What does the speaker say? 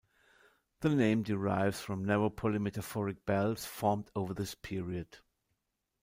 The name derives from narrow polymetamorphic belts formed over this period.